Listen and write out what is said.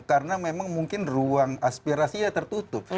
karena memang mungkin ruang aspirasi ya tertutup